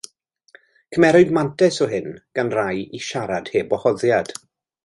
Cymerwyd mantais o hyn gan rai i siarad heb wahoddiad.